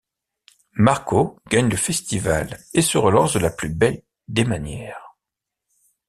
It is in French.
Marco gagne le festival et se relance de la plus belle des manières.